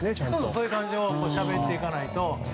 そういう感じでしゃべっていかないと。